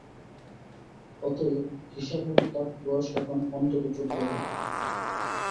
অতএব, হিসাবমত তার বয়স এখন অন্তত চৌদ্দ হইবে।